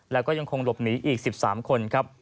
แล้วก็ยังคงหลบหนีอีก๑๓คนครับ